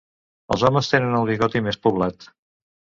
Els homes tenen el bigoti més poblat.